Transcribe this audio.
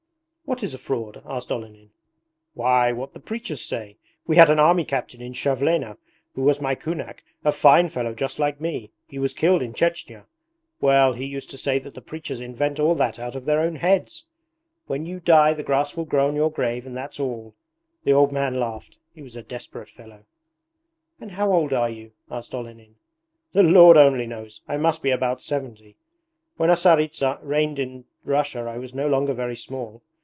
'What is a fraud?' asked Olenin. 'Why, what the preachers say. We had an army captain in Chervlena who was my kunak: a fine fellow just like me. He was killed in Chechnya. Well, he used to say that the preachers invent all that out of their own heads. "When you die the grass will grow on your grave and that's all!"' The old man laughed. 'He was a desperate fellow.' 'And how old are you?' asked Olenin. 'The Lord only knows! I must be about seventy. When a Tsaritsa reigned in Russia I was no longer very small.